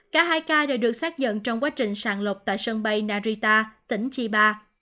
cả hai ca đã được xác nhận trong quá trình sàn lột tại sân bay narita tỉnh chiba